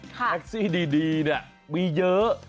แท็กซี่ดีมีเยอะ